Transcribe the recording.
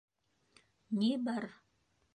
Ни бар?